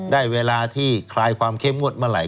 ได้เวลาที่คลายความเข้มงวดเมื่อไห